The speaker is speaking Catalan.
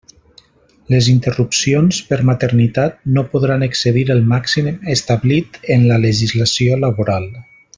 Les interrupcions per maternitat no podran excedir el màxim establit en la legislació laboral.